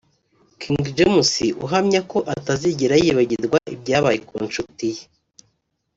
King James uhamya ko atazigera yibagirwa ibyabaye ku nshuti ye